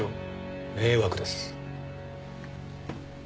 迷惑です。